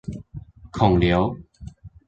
孔劉